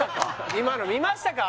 今の見ましたか？